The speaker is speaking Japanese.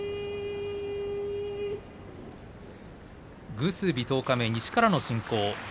偶数日、十日目、西からの進行